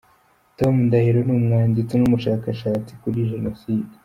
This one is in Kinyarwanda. Tom Ndahiro, ni umwanditsi n’umushakashatsi kuri Jenoside